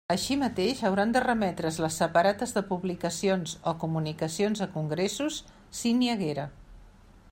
Així mateix hauran de remetre's les separates de publicacions o comunicacions a congressos, si n'hi haguera.